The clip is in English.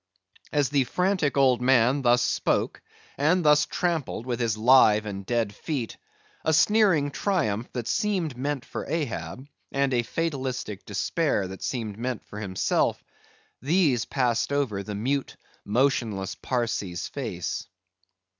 As the frantic old man thus spoke and thus trampled with his live and dead feet, a sneering triumph that seemed meant for Ahab, and a fatalistic despair that seemed meant for himself—these passed over the mute, motionless Parsee's face.